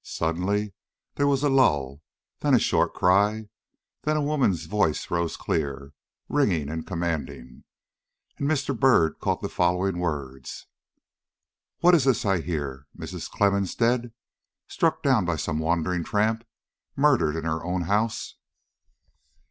Suddenly there was a lull, then a short cry, then a woman's voice rose clear, ringing, and commanding, and Mr. Byrd caught the following words: "What is this I hear? Mrs. Clemmens dead? Struck down by some wandering tramp? Murdered and in her own house?"